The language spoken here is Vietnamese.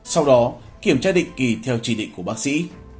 sau đó kiểm tra định kỳ theo chỉ định của bác sĩ